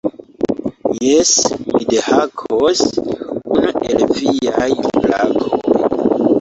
Jes, mi dehakos unu el viaj brakoj.